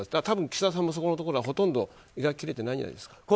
多分、岸田さんもそこのところはほとんど描き切れてないんじゃないですか。